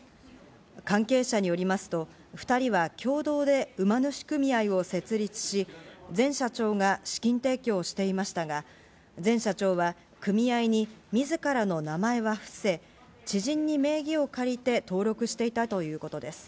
関係者によりますと、２人は共同で馬主組合を設立し、前社長が資金提供をしていましたが、前社長は組合に自らの名前は伏せ、知人に名義を借りて登録していたということです。